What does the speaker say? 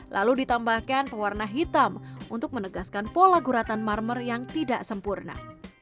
lalu ditambahkan pewarna hitam untuk menegaskan pola guratan marmer yang tidak sempurna